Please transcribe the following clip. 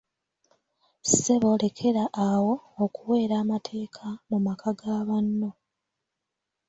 Ssebo lekera awo okuweera amateeka mu maka ga banno.